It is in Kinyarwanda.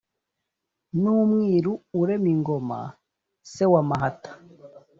N'umwiru urema ingoma se wa Mahata,